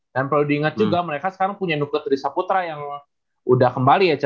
dan perlu diingat juga mereka sekarang punya nugget rizaputra yang udah kembali ya